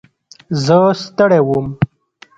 زه ستړی وم.